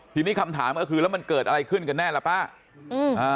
ทีนี้คำถามก็คือแล้วมันเกิดอะไรขึ้นกันแน่ล่ะป้าอืมอ่า